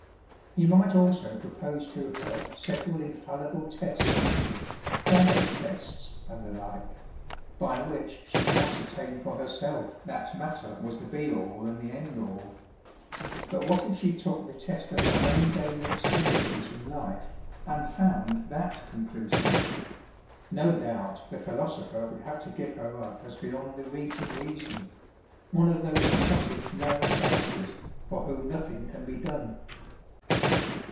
He might also propose to her several infallible tests ŌĆö prayer tests and the like ŌĆö by which she could ascertain for herself that matter was the be all and the end all ; but what if she took the test of her own daily experience and life, and found that conclusive ? No doubt the philosopher would have to give her up as beyond the reach of reason ŌĆö one of those besotted '' lower classes " for whom nothing can be done.